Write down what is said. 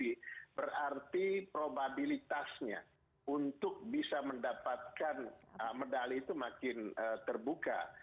tapi berarti probabilitasnya untuk bisa mendapatkan medali itu makin terbuka